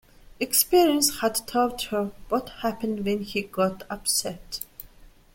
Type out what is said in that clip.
Experience had taught her what happened when he got upset.